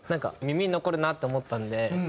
耳に残るなって思ったんで。